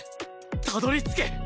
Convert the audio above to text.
たどり着け！